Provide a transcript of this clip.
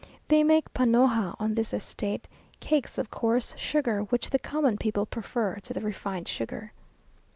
They make panoja on this estate, cakes of coarse sugar, which the common people prefer to the refined sugar.